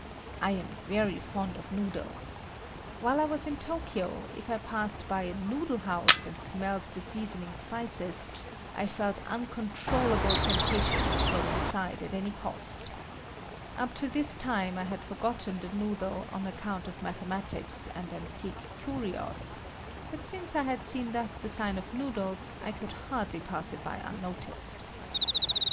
I am very fond of noodles. While I was in Tokyo, if I passed by a noodle house and smelled the seasoning spices, I felt uncontrollable temptation to go inside at any cost. Up to this time I had forgotten the noodle on account of mathematics and antique curios, but since I had seen thus the sign of noodles, I could hardly pass it by unnoticed.